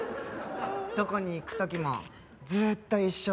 どこに行く時もずっと一緒だったよ。